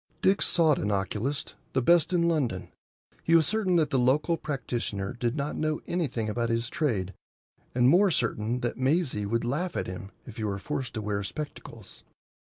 Dick sought an oculist,—the best in London. He was certain that the local practitioner did not know anything about his trade, and more certain that Maisie would laugh at him if he were forced to wear spectacles.